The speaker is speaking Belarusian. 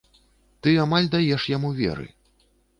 Ты амаль даеш яму веры.